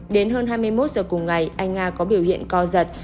đến hơn hai mươi một giờ cùng ngày anh nga có biểu hiện co giật